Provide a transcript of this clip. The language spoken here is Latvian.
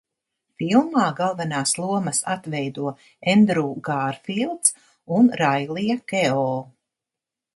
Filmā galvenās lomas atveido Endrū Gārfīlds un Railija Keo.